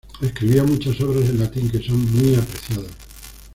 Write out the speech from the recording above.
Escribió muchas obras en latín que son muy apreciadas.